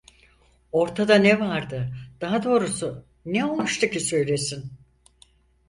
Ortada ne vardı, daha doğrusu ne olmuştu ki söylesin?